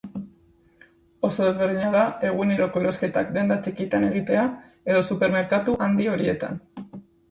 Oso desberdina da eguneroko erosketak denda txikitan egitea edo supermerkatu handi horietan.